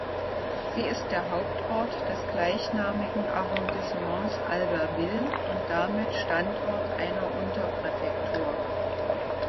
Sie ist der Hauptort des gleichnamigen Arrondissements Albertville und damit Standort einer Unterpräfektur.